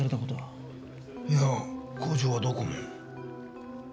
いや工場はどこも。